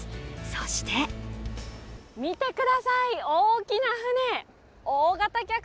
そして見てください、大きな船。